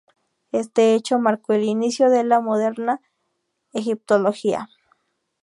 Este hecho marcó el inicio de la moderna egiptología.